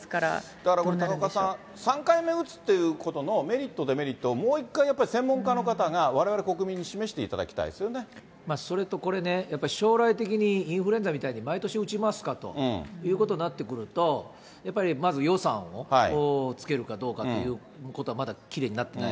だからこれ、高岡さん、３回目打つっていうことのメリット、デメリット、もう１回やっぱり、専門家の方がわれわれ国民に示しそれとこれ、やっぱり将来的にインフルエンザみたいに毎年打ちますかということになってくると、やっぱりまず予算をつけるかどうかということは、まだきれいになってない。